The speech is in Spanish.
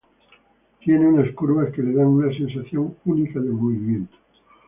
Tiene unas curvas que le dan una sensación única de movimiento.